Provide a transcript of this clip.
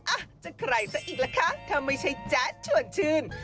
อ่ะจะใครซะอีกล่ะคะถ้าไม่ใช่แจ๊ดชวนชื่น